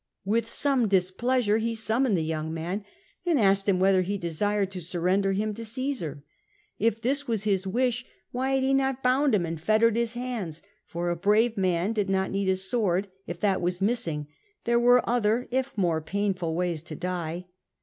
With some displeasure he summoned the young man, and asked him whether he desired to surrender him to Caesar. If this was his wish, why had he not bound him and fettered his hands, for a brave man did not need a sword ; if that was missing, there were other, if more painful, ways to die.